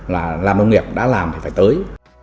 làm nông nghiệp đã làm thì phải tới